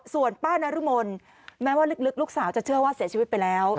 ส่วนป้านรมนแม้ว่าลึกลูกสาวจะเชื่อว่าเสียชีวิตไปแล้ว